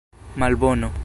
malbono